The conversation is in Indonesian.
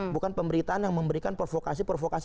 bukan pemberitaan yang memberikan provokasi provokasi